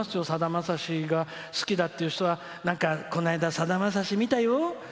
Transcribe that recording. さだまさしが好きだっていう人はこの間、さだまさし見たよ！